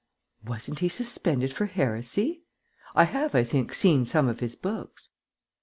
"Wasn't he suspended for heresy? I have, I think, seen some of his books."